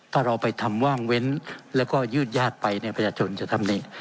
ถ้าเราไปทำว่างเว้นแล้วก็ยืดญาติไปเนี่ยประชาชนจะทำเอง